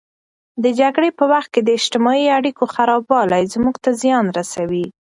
د جګړې په وخت کې د اجتماعي اړیکو خرابوالی زموږ ته زیان رسوي.